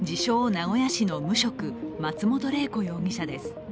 名古屋市の無職、松本玲子容疑者です。